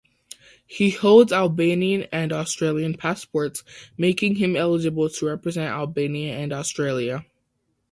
He holds Albanian and Australian passports, making him eligible to represent Albania and Australia.